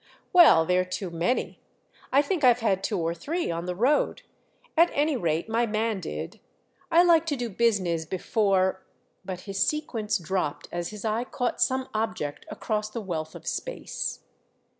"Well, they're too many. I think I've had two or three on the road—at any rate my man did. I like to do business before—" But his sequence dropped as his eye caught some object across the wealth of space.